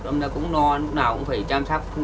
năm nay cũng lo lúc nào cũng phải chăm sóc